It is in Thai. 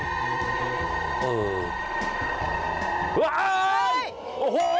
เออ